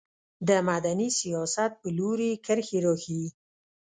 د مدني سیاست په لوري کرښې راښيي.